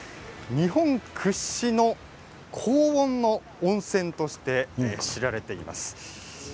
日本屈指の高温の温泉として知られています。